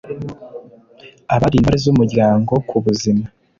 Abari Intore z Umuryango ku buzima